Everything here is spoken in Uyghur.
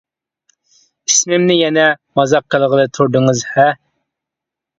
-ئىسمىمنى يەنە مازاق قىلغىلى تۇردىڭىز ھە!